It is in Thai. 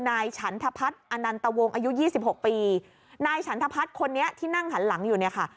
นายฉันทพัฒน์อนันตวงอายุยี่สิบหกปีนายฉันทพัฒน์คนนี้ที่นั่งหันหลังอยู่เนี่ยค่ะ